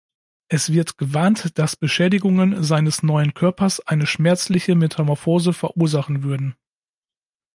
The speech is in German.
Es wird gewarnt, dass Beschädigungen seines neuen Körpers eine schmerzliche Metamorphose verursachen würden.